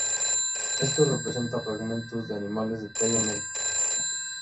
Esto representa fragmentos de animales de talla media.